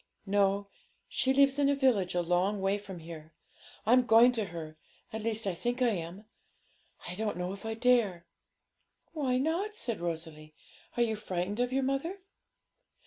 No; she lives in a village a long way from here. I'm going to her; at least I think I am; I don't know if I dare.' 'Why not?' said Rosalie. 'Are you frightened of your mother?'